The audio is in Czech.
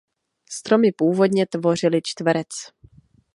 Stromy původně tvořily čtverec.